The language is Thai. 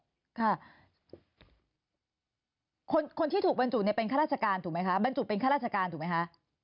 ค่ะคนที่ถูกบรรจุเนี่ยเป็นข้าราชการถูกไหมคะบรรจุเป็นข้าราชการถูกไหมคะ